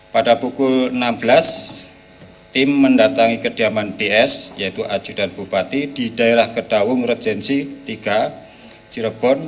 pada pukul enam belas tim mendatangi kediaman bs yaitu ajudan bupati di daerah kedawung rejensi tiga cirebon